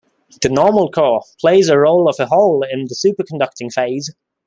The normal core plays a role of a hole in the superconducting phase.